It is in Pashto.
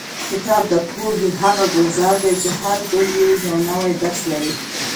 کتاب د پوهې هغه ګلزار دی چې هر ګل یې یو نوی درس لري.